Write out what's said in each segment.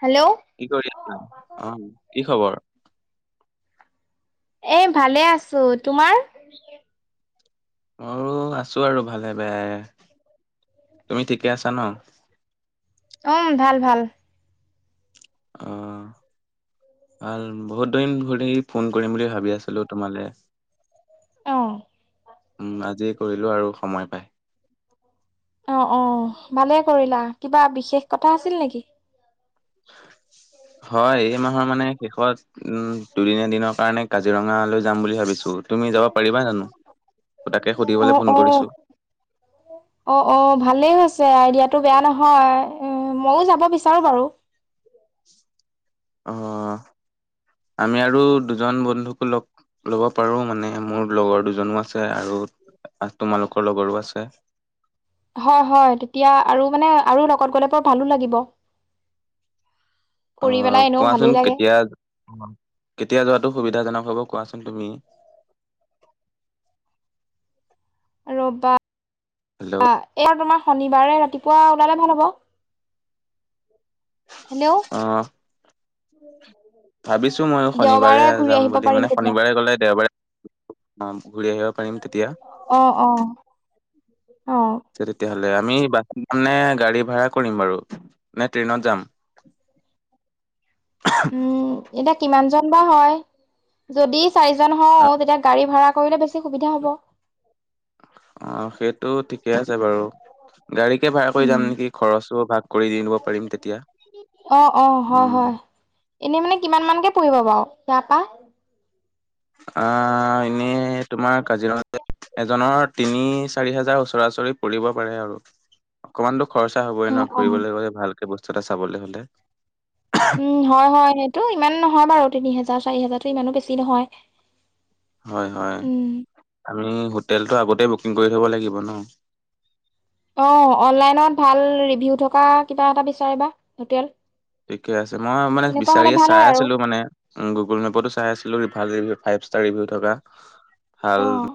Hello, কি কৰি আছিলা? অ, কি খবৰ? এ, ভালে আছোঁ, তোমাৰ? ময়ো আছোঁ আৰু ভালে বেয়া। তুমি ঠিকে আছা ন'? উম, ভাল ভাল। অ, ভাল বহুত দিন ধৰি ফোন কৰিম বুলি ভাবি আছিলোঁ, তোমালে। অ উম, আজিয়ে কৰিলোঁ, আৰু সময় পাই। অ, অ, ভালে কৰিলা, কিবা বিশেষ কথা আছিল নেকি? হয়, এই মাহৰ মানে শেষত উ দুদিন এদিনৰ কাৰণে কাজিৰঙালৈ যাম বুলি ভাবিছোঁ। সুধিবলৈ অহ, ফোন অহ। কৰিছো। অ, অ, ভালেই হৈছে আইডিয়া টো বেয়া নহয়, মইও যাব বিচাৰো বাৰু। অ, আমি আৰু দুজন বন্ধুক লগ ল'ব পাৰো মানে মোৰ লগৰ দুজনো আছে আৰু তোমালোকৰ লগৰো আছে। [unintelligible] হয়, হয়, তেতিয়া আৰু মানে আৰু লগত গ'লে বৰ ভালো লাগিব। অ, ফুৰি পেলাই এনেও ভালেই কোৱাচোন লাগে কেতিয়া, কেতিয়া যোৱা টো সুবিধাজনক হ'ব কোৱাচোন তুমি? ৰবা হেল্ল' এয়া তোমাৰ শনিবাৰে ৰাতি পুৱা ওলালে ভাল হ'ব। হেল্ল' অহ, [unintelligible] ভাবিছোঁ মইও শনিবাৰে দেওবাৰে ঘূৰি যাম আহিব বুলি পাৰিম মানে তেতিয়া শনিবাৰে গলে [unintelligible] দেওবাৰে ঘূৰি আহিব পাৰিম তেতিয়া অ, অ, অ [unintelligible] তেতিয়া আমি বাছাম নে গাড়ী ভাড়া কৰিম বাৰু নে ট্ৰেইনত যাম? [unintelligible] উম, এতিয়া কিমান জন বা হয় যদি চাৰিজন হও অ', তেতিয়া গাড়ী ভাড়া কৰিলে বেছি সুবিধা হ'ব। অ, সেইটো ঠিকেই আছে বাৰু। গাড়ীকে ভাড়া কৰি যাম নেকি খৰচো ভাগ কৰি দি দিব পাৰিম তেতিয়া। অ, অ, হয়, উম, হয়, এনে মানে কিমান মানকে পৰিব বাৰু ইয়াৰপা? অ, এনেই তোমাৰ কাজিৰঙালে এজনৰ তিনি চাৰি হাজাৰ ওচৰাচৰি পৰিব পাৰে আৰু। অকমানতো খৰচা হবই অ', ন' অ', ফুৰিবলৈ গ'লে ভালকে বস্তু এটা চাবলৈ হ'লে। উম, হয়, হয়, সেইটো ইমান নহয় বাৰু তিনি হোজাৰ চাৰি হোজাৰতো ইমানো বেছি নহয়। হয় হয়, উম, আমি হোটেলটো আগতেই বো কিং কৰি থ'ব লাগিব ন'। অ, অনলাইনত ভাল ৰিভিউ থকা কিবা এটা বিচাৰিবা হোটেল। ঠিকে আছে মই মানে তেনেকুৱা হ'লে বিচাৰিয়ে ভাল চাই হয় আৰু আছিলোঁ, মানে গুগুল মেপতো চাই আছিলো ৰিভাৰ্জ ফাইভ ষ্টাৰ ৰিভিউ থকা ভাল অ',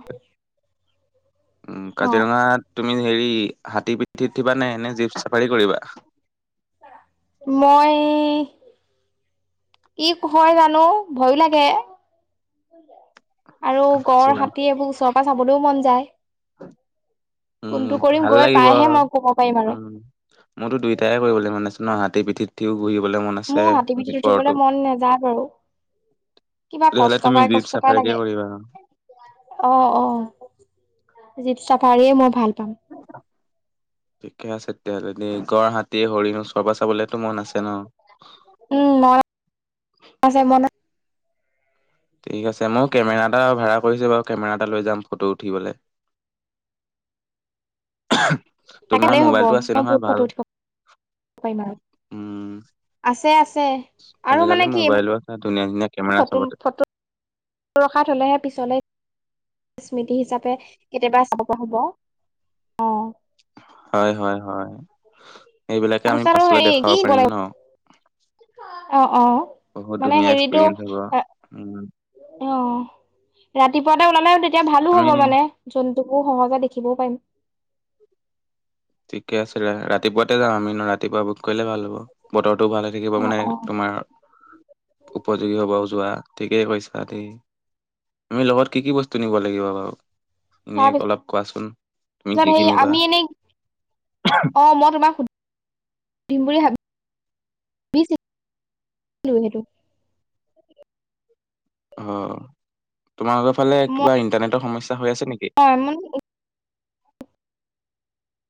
উ, অ', কাজিৰঙাত তুমি হেৰি হাতী পি ঠিত থিব নেনেে জীপ চাফাৰী কৰিবা? মই কি হয় জানো ভয়ো লাগে। আৰু গড় হাতী এইবোৰ ওচৰৰ পৰা চাবলৈও মন যায়। [unintelligible] উম', কোনটো উম', কৰিম ভাল গৈ লাগিব পাইহে আৰু। মই ক'ব পাৰিম আৰু। উম', মোৰতো দুইটায়ে কৰিবলৈ মন আছে। ন, হাতীৰ পিঠিত উথিও মোৰ হাতী পিঠিত উঠিবলৈ মন নাযায় বাৰু। কিবা তেতিয়াহ'লে কষ্ট তুমি পাই জীপ কষ্ট পাই চাফাৰীকে লাগে। কৰিবা অ', অ'। জীপ চাফাৰীয়ে মই ভাল পাাম। ঠিকে আছে তেতিয়াহ'লে, এনেই গঁড় হাতীয়ে সৰি নো [unintelligible] পৰা চাবলেতো মন আছে ন'? উম মন আছে মন আছে ঠিক আছে মই কেমেৰা এটা ভাড়া কৰিছোঁ বাৰু কেমেৰা এটা লৈ যাম ফটো উঠিবলৈ। [unintelligible] তাল হব মই বহুত ফটো উঠিব পাৰিম আৰু। উম আছে, আছে। আছে, আৰু আজিকালি মানে কি এইবোৰ মোবাইলো আছে ধুনীয়া ধুনীয়া কেমেৰা [unintelligible] চবতে ৰখাই থ'লেহে পিছলৈ স্মৃতি হিচাপে কেতিয়াবা চাব পৰা হ'ব। অ, হয়, হয়, হয় এইবিলাকে আমি তাৰপিছত আৰু পাছলে হেৰি দেখুৱাব কি দিব পাৰিম লাগিব ন'। অ অ বহুত মানে ধুনীয়া হেৰিটো এক্সপিৰিয়েন্ঞ্চ হ'ব। অ উ অ, ৰাতিপুৱাতে এটা ওলালে তেতিয়া ভালো আমি হ'ব মানে জন্ত বোৰ সহজে দেখিবও পাৰিম। ঠিকে আছে দে, ৰাতিপুৱাতে যাম আমি ন ৰাতিপুৱা বুক কৰিলে ভাল হ'ব বতৰ টো ভালে থাকিব, অ মানে অ তোমাৰ উপযোগী হ'ব যোৱা। ঠিকেই কৈছা দে, আমি লগত কি কি বস্তু নিব লাগিব বাৰু? এনেই তাৰপিছত অলপ কোৱাচোন তুমি কি সেই কি নিবা? আমি এনেই অ মই তোমাক সুধ-সধিম বুলি ভাবি [unintelligible] অ, তোমালোকৰ ফালে মই কিবা ইণ্টাৰনেটৰ সমস্যা হৈ আছে নেকি? মানে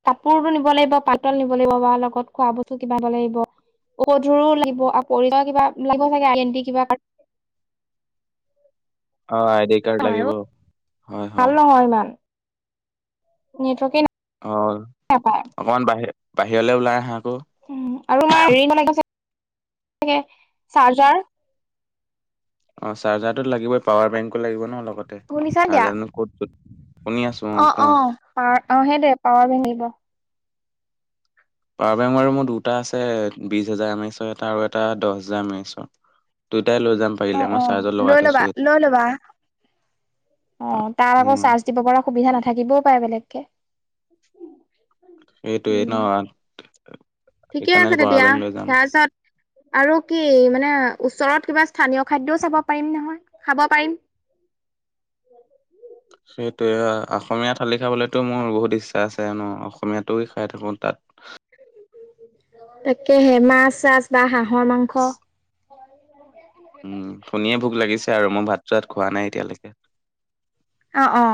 কাপোৰো নিব লাগিব পাতল নিব লাগিব বা লগত খোৱা বস্তু কিবািব লাগিব। [unintelligible] অ, আইডি কাৰ্ড লাগিব। হয়, ভাল হয়। নহয় ইমান নেটৱৰ্কে না অহ, অকমান বাহিৰ, বাহিৰলে ওলাই আহা। আকৌ আৰু আমাৰ হেৰি [unintelligible] থাকে চাৰ্জাৰ। অহ, চাৰ্জাৰটোত লাগিবই, পাৱাৰ বেংকো লাগিব ন লগতে, চাৰ্জাৰ ক'ত ক'ত অহ', অহ'। পাৱাৰ অহ, সেইটোৱে পাৱাৰ বেংক লাগিব। পাৱাৰ বেংক বাৰু মোৰ দুটা আছে, বিশ হাজাৰ দামী আনিছোঁ এটা আৰু এটা দহ হাজাৰ দামী আনিছোঁ। [unintelligible] অ', অ' লৈ লবা, লৈ লবা। অহ, অ' তাত আকৌ উম চাৰ্জ দিব পৰা সুবিধা নাথাকে। থাকিবও পাৰে বেলেগকে। সেইটোৱে ন'। উম ঠিকে সেইকাৰণে আছে পাৱাৰ তেতিয়া বেংক লৈ যাম তাৰপিছত আৰু কি? মানে ওচৰত কিবা স্থানীয় খাদ্যও চাব পাৰিম নহয়, খাব পাৰিম। [inaudible] সেইটোৱে অসমীয়া থালি খাবলৈতো মোৰ বহুত ইচ্ছা আছেন, অসমীয়াটো খাই থাকোঁ তাত। [unintelligible] তাকেহে মাছ-চাছ বা হাঁহৰ মাংস। উম, শুনিয়ে ভোক লাগিছে আৰু মই ভাত-চাত খোৱা নাই এতিয়ালৈকে। অ', অ'।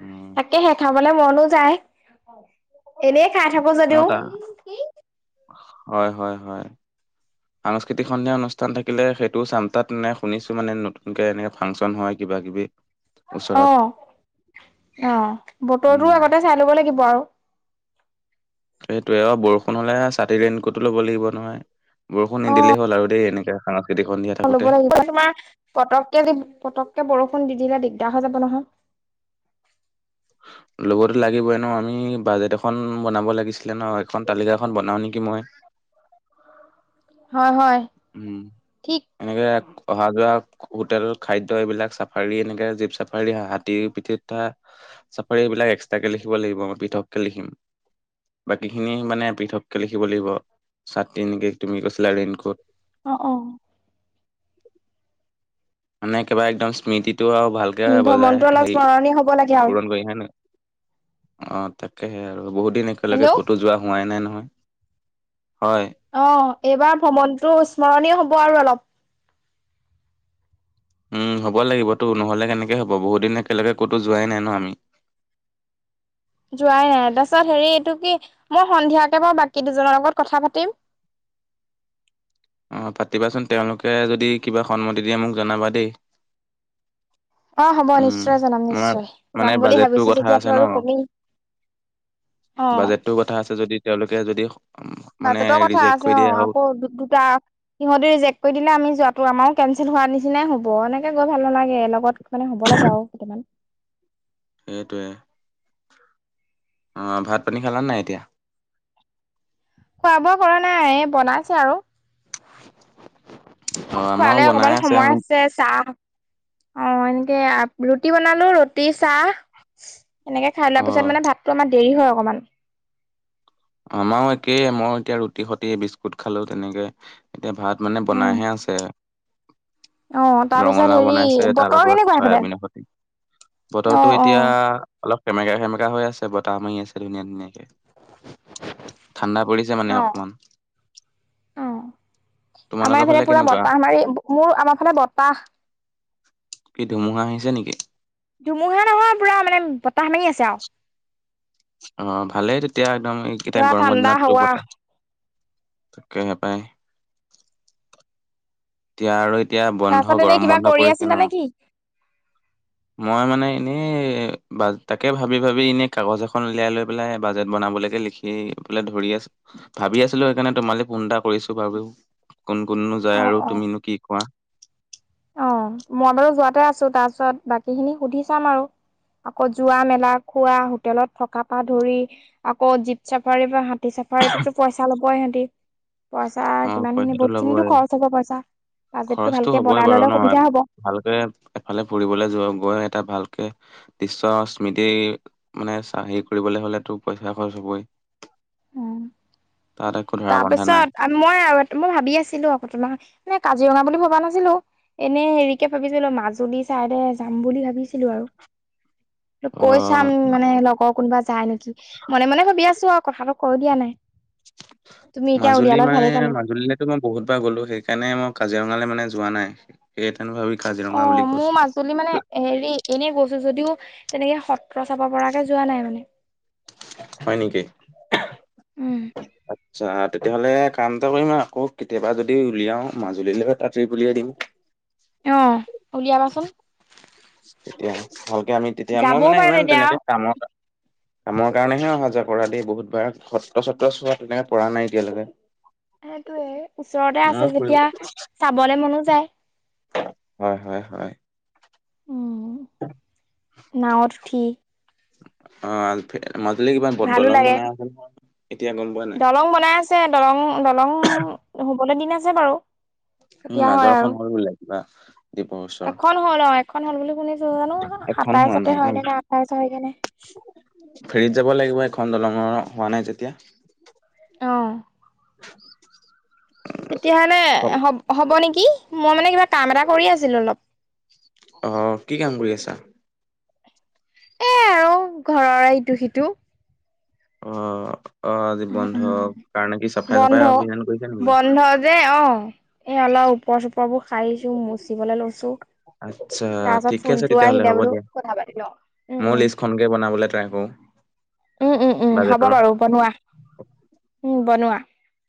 উম। তাকে হে খাবলে মনো যায়। এনেই খাই থাকো মই যদিওঁ। তাৰ উম, কি? হয়, হয়, হয়। সাংস্কৃতিক সন্ধিয়া অনুষ্ঠান থাকিলে সেইটো চাম, তাত এনেই শুনিছোঁ মানে নতুনকে এনেকে ফাংচন হয়। কি কিবা-কিবি। অহ', অহ'। উম বতৰতো আগতে চাই ল'ব লাগিব আৰু। সেইটোৱে, অহ বৰষুণ হ'লে ছাতি ৰেনকুটো ল'ব লাগিব নহয়, বৰষুণ অ', নিদিলেই হ'ল আৰু দেই এনে ল'ব লাগিব, তোমাৰ পতককে যি পতককে বৰষুণ দি দিলে দিগদাৰ হৈ যাব নহয়। লগতো লাগিবই ন' আমি বাজেট এখন বনাব লাগিছিল। লাগিছিলে ন' এখন তালিকা এখন বনাও নেকি মই? হয়, হয়, উম, ঠিক। এনেকে এক অহা-যোৱা, হোটেল, খাদ্য এইবিলাক চাফাৰী, এনেকে জীপ চাফাৰী হাতীৰ পিঠিত উঠা চাফাৰী, এইবিলাক এক্সট্ৰাকে লিখিব লাগিব মই পৃথকে লিখিম। বাকীখিনি মানে, পৃথককে লিখিব লাগিব। ছাতি নেকি তুমি কৈছিলা ৰেইনকোট। অ', অ'। মানে একেবাৰে একদম স্মৃতিটো আৰু ভালকে বজাই ভ্ৰমণটো অলপ হেৰি স্মৰণীয় হ'ব লাগে আৰু পূৰণ কৰি হয় নাই। অহ, তাকেহে আৰু বহুত দিন একেলগে হেল্ল' কতো যোৱা হোৱাই নাই নহয়। নহয়, হয়। অহ, এইবাৰ ভ্ৰমণতটো স্মৰণীয় হ'ব আৰু অলপ। উম, হ'ব লাগিবতো নহ'লে কেনেকে হ'ব। বহুত দিন একেলগে ক'তো যোৱাই নাই ন' আমি। [inaudible] যোৱাই নাই, তাৰপিছত হেৰি এইটো কি মই সন্ধিয়াকে বাৰু বাকী দুজনৰ লগত কথা পাতিম। [unintelligible] অহ' পাতিবাচোন, তেওঁলোকে যদি কিবা সন্মতি দিয়ে মোক জনাবা দেই। অ হ'ব উম, নিশ্চয় জনাম নিশ্চয় যাম তাৰমানে বুলি বাজেটটোৰ ভাবিছো কথা যেতিয়াতো আছে ন'? আৰু কমেই অ বাজেটটোৰ কথা আছে যদি তেওঁলোকে যদি উম, মানে বাজেটৰ কথা ৰিজেক্ট আছে কৰি দিয়ে অহ, আৰু আকৌ দুটা সিহঁতে ৰিজেক্ট কৰি দিলে আমি যোৱাটো আমাৰ কেনচেল হোৱাৰ নিচিনাই হ'ব, এনেকে গৈ ভাল নালাগে। লগত মানে হ'ব লাগে আৰু কেইটামান। সেইটোৱে। অহ, ভাত পানী খালা নে নাই এতিয়া? খোৱা বোৱা কৰা নাই, এই বনাইছে আৰু। অ', ভাট আমাৰো খোৱালে বনাই অকমান সময় আছে, চাহ অ, এনেকে আ, ৰুটি বনালো ৰুটি চাহ এনেকে খাই লোৱাৰ অ', পিছত মানে ভাতটো আমাৰ দেৰি হয় অকমান। আমাৰো একেই, মই এতিয়া ৰুটি সতি বিস্কুট খালোঁ তেনেকে এতিয়া ভাত মানে উম বনাইহে আছে। অ', তাৰপিছত ৰঙালাও হেৰি বনাইছে, তাৰ বতৰ লগত কেনেকুৱা সেইফালে? চয়াবিনৰ সৈত অ', বতৰটো এতিয়া অ'। অলপ সেমেকা সেমেকা হৈ আছে, বতাহ মাৰি আছে ধুনীয়া-ধুনীয়াকে। ঠাণ্ডা পৰিছে মানে অ', অকমান। অ', আমাৰ তোমালোকৰ এইফালে ফালে পুৰা কেনেকুৱা? বতাহ মাৰি, মোৰ আমাৰ ফালে বতাহ। কি [inaudible] নেকি? ধুমুহা নহয়, পোৰা মানে বতাহ মাৰি আছে আৰু। অ, ভালেই তেতিয়া, একদম এইকেইটা পুৰা গৰমৰ ঠাণ্ডা দিনতটো হাৱা বতাহ তাকেহে পায়। [unintelligible] এতিয়া বন্ধ তাৰপাছত এনেই গৰম কিবা বন্ধ কৰি পৰিছে আছিলা নে ন', কি? মই মানে এনেই বাজ, তাকে ভাবি ভাবি এনেই কাগজ এখন উলিয়াই লৈ পেলাই বাজেট বনাবলৈকে লিখিবলে ধৰি আছোঁ। ভাবি আছিলোঁ, সেইকাৰণে তোমালে ফোন এটা কৰিছোঁ বাৰু, কোন কোন নো যায় অ', আৰু অ', তুমিনো কি কোৱা? অ, মই বাৰু যোৱাতে আছোঁ। তাৰপিছত বাকী খিনি সুধি চাম আৰু। আকৌ যোৱা, মেলা, খোৱা, হোটেলত থকা পা ধৰি আকৌ জীপ চাফাৰী, বা হাতী চাফাৰীটোতো, পইচা ল'বই সিহঁতি? পইচা অ কিমানখিনি পইচাটো বহুত খিনিতো ল'বই খৰচ হ'ব পইচা বাজেটটো ভালকে গৈ বনাই বাৰু ললে নহয় সুবিধা হ'ব। ভালকে এফালে ফুৰিবলৈ যোৱা গৈ এটা ভালকে দৃশ্য স্মৃতি মানে হেৰি কৰিবলৈ হলেতো পইচা খৰচ হবই। উম। তাত একো ধৰা বন্ধা তাৰপিছত নাই। মই আৰু মই ভাবি আছিলোঁ আপু তোমাক মানে কাজিৰঙা বুলি ভবা নাছিলোঁ এনে হেৰিকে ভাবিছিলোঁ মাজুলী চাই দে যাম বুলি ভাবিছিলো আৰু। [inaudible] ত কৈ অ', চাম মানে লগৰ কোনোবা যায় নেকি মনে মনে ভাবি আছো আৰু কথাটো কৈ দিয়া নাই। তুমি এতিয়া মাজুলী উলিয়ালত মানে ভালেই পালো মাজুলীলৈতো মই বহুতবাৰ গ'লো সেইকাৰণে মই কাজিৰঙালৈ মানে যোৱা নাই সেই অ মোৰ মাজুলী মানে হেৰি এনে গৈছো যদিও তেনেকে সত্ৰ চাব পৰাকে যোৱা নাই মানে। হয় নেকি? উম আচ্ছা তেতিয়াহ'লে কাম এটা কৰিম আৰু আকৌ কেতিয়াবা যদি উলিয়াও মাজুলীলৈ তাঁতৰি পুলিয়াই দিম। [inaudible] অহ, উলিয়াবাচোন। তেতিয়া ভালকে আমি তেতিয়া মই যাবও মানে পাৰে ইমান তেতিয়া তেনেকে কামত কামৰ কাৰণেহে অহা যোৱা কৰা দেই বহুতবাৰ সত্ৰ চত্ৰ চোৱা তেনেকে পৰা নাই এতিয়ালৈকে। সেইটোয়ে ওচৰতে ময়ো আছে ফুৰিব যেতিয়া চাবলে মনো যায়। হয়, হয়, হয়। নাৱত উঠি অ মাজুলীৰ কিবা বৰ ভালো দলং লাগে বনাই নাই আছে নহয়। এতিয়া গম পোৱা নাই দলং বনাই আছে দলং দলং হবলৈ দিন আছে বাৰু। উম কেতিয়া হয় আৰু মাজৰখন হল বোলে কিবা দ্বীপৰ ওচৰ এখন হল অ এখন হল বুলি শুনিছো জানো এখন হোৱা সাতাইছতে হয়নে নে আঠাইছ হয় কিনে। ফেৰিত যাব লাগিব এখন দলং হোৱা নাই যেতিয়া। অ, তেতিয়াহলে হ হ'ব নেকি? মই মানে কিবা কাম এটা কৰি আছিলোঁ অলপ। অহ' কি কাম কৰি আছা? এ আৰু ঘৰৰে এইটো সিটো। অ' অ' আজি উম বন্ধ উম কাৰণে কি চাফাই বন্ধ চাফাই অভিযান কৰিছা নেকি? বন্ধ যে অ এ অলপ ওপৰ চোপৰবোৰ সাৰিছো, মচিবলৈ লৈছো। আচ্ছা তাৰ পাছত, ঠিকে আছে ফোনটো তেতিয়াহ'লে আহিলে হ'ব বোলো দিয়া। কথা পাতি লও উম, ময়ো উম। লিষ্টখনকে [unintelligible] উম, উম, উম, হ'ব বাজেটৰ। বাৰু বনোৱা উম, বনোৱা।